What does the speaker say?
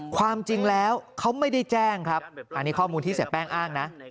ความจริงแล้วเขาไม่ได้แจ้งครับอันนี้ข้อมูลที่เสียแป้งอ้างนะ